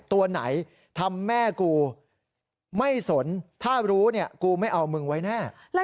ตัวไหนทำแม่กูไม่สนถ้ารู้เนี่ยกูไม่เอามึงไว้แน่